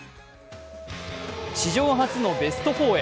史上初のベスト４へ。